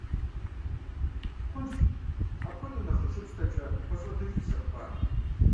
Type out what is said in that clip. Хъунщ, апхуэдэу нэхъ къыщыпщтэкӀэ, фхуэсӀуэтэжынщ зы хъыбар.